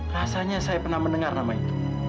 rasanya saya pernah mendengar nama itu